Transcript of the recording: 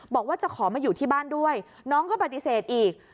บอกว่าจะขอมาอยู่ที่บ้านด้วยน้องก็ปฏิเสธอีก